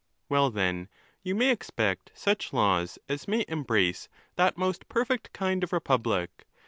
—Well, then, you may expect such laws as may embrace that most perfect kind of republic.